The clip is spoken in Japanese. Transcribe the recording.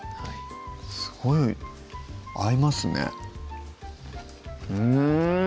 すごい合いますねうん！